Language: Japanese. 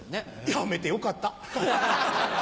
辞めてよかった！